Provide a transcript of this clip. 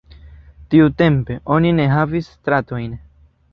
Tiu tempe, oni ne havis stratojn.